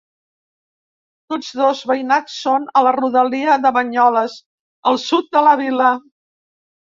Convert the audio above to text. Tots dos veïnats són a la rodalia de Banyoles, al sud de la vila.